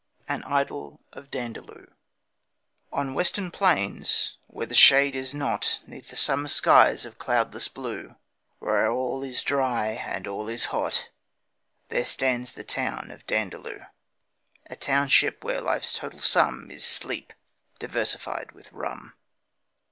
An Idyll of Dandaloo On Western plains, where shade is not, 'Neath summer skies of cloudless blue, Where all is dry and all is hot, There stands the town of Dandaloo A township where life's total sum Is sleep, diversified with rum.